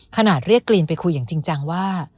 ขนาดเรียกกลีนไปคุยอย่างจริงจังว่า